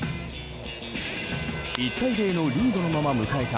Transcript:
１対０のリードのまま迎えた